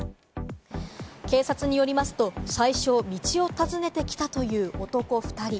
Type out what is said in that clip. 警察によりますと最初、道を尋ねてきたという男２人。